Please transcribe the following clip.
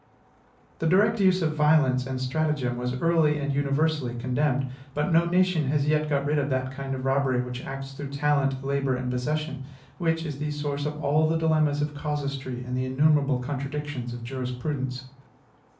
The direct use of violence and stratagem was early and universally condemned; but no nation has yet got rid of that kind of robbery which acts through talent, labor, and possession, and which is the source of all the dilemmas of casuistry and the innumerable contradictions of jurisprudence.